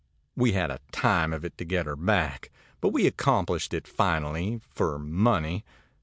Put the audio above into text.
ãWe had a time of it to get her back; but we accomplished it finally, for money.